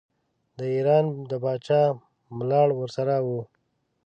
د ایران د پاچا ملاړ ورسره وو.